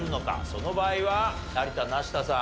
その場合は有田無太さん